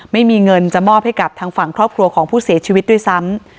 ไม่มีเงินจะมอบให้กับทางฝั่งครอบครัวของผู้เสียชีวิตด้วยซ้ำ